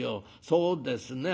そうですね